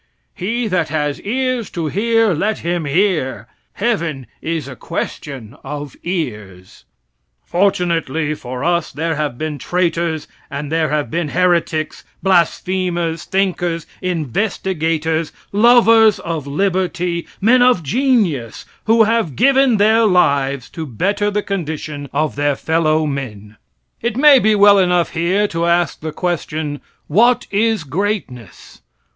He that has ears to hear let him hear. Heaven is a question of ears." Fortunately for us, there have been traitors and there have been heretics, blasphemers, thinkers, investigators, lovers of liberty, men of genius, who have given their lives to better the condition of their fellow men. It may be well enough here to ask the question: "What is greatness?"